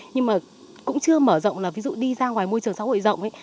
nhưng mà cũng chưa mở rộng là ví dụ đi ra ngoài môi trường xã hội rộng ấy